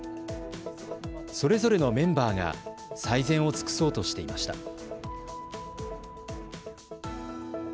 それぞれのメンバーが最善を尽くそうとしていました。